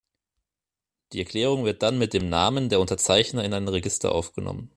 Die Erklärung wird dann mit dem Namen der Unterzeichner in ein Register aufgenommen.